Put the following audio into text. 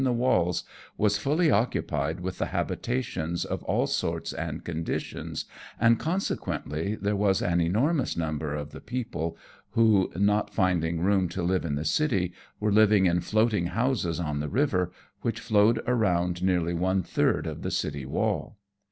the walls was fully occupied with the habitations of all sorts and conditions, and consequently there was an enormous number of the people, who, not finding room to live in the city, were living in floating houses on the river, which flowed around nearly one third of the city wall.